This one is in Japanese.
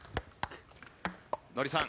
ノリさん。